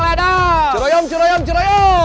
tapi umur kamu presiden